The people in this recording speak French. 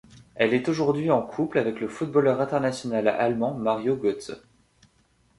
Elle est aujourd'hui en couple avec le footballeur international allemand Mario Götze.